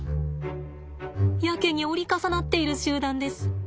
やけに折り重なっている集団です。